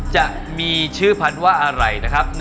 จะมีชื่อพันธุ์ว่าอะไรนะครับ